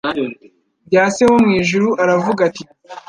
bya Se wo mu ijuru. Aravuga ati, ”